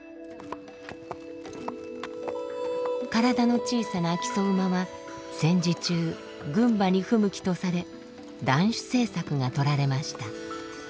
体の小さな木曽馬は戦時中軍馬に不向きとされ断種政策が取られました。